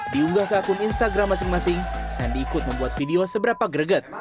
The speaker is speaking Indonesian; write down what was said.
diunggah ke akun instagram masing masing sandi ikut membuat video seberapa greget